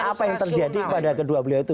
apa yang terjadi pada kedua beliau itu